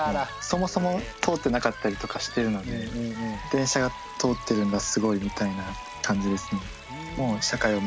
そもそも通ってなかったりとかしてるので電車が通ってるんだすごいみたいな感じですね。